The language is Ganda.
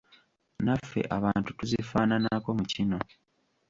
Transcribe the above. Naffe abantu tuzifaananako mu kino.